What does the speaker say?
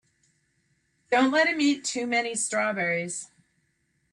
Don't let him eat too many strawberries.